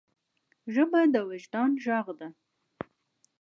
ژبه د وجدان ږغ ده.